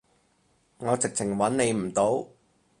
我直情揾你唔到